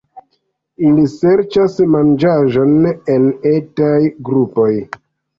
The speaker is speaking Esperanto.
Ili serĉas manĝaĵon en etaj grupoj.